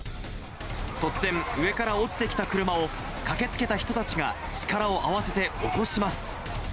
突然、上から落ちてきた車を駆けつけた人たちが力を合わせて起こします。